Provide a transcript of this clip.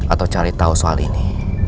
atau cari tahu soal ini